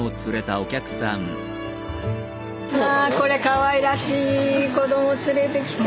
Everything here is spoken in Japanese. まあこれかわいらしい子ども連れてきて。